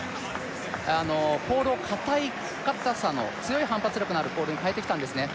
あのポールを硬い硬さの強い反発力のあるポールに替えてきたんですね